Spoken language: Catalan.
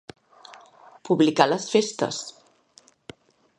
Publicar les festes.